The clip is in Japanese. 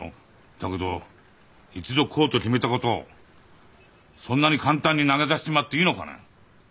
だけど一度こうと決めたことをそんなに簡単に投げ出しちまっていいのかね。